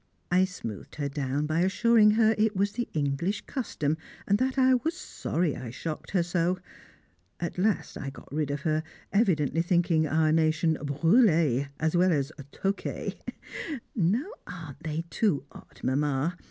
I smoothed her down by assuring her it was the English custom, and that I was sorry I shocked her so. At last I got rid of her, evidently thinking our nation "brûlée," as well as "toquée". Now aren't they too odd, Mamma?